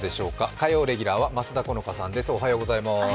火曜レギュラーは松田好花さんです。